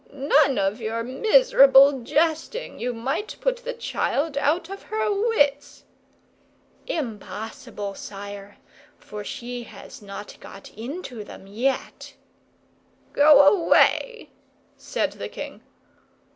"None of your miserable jesting! You might put the child out of her wits." "Impossible, sire; for she has not got into them yet." "Go away," said the king.